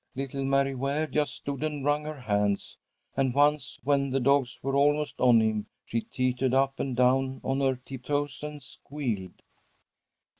Little Mary Ware just stood and wrung her hands, and once when the dogs were almost on him she teetered up and down on her tiptoes and squealed.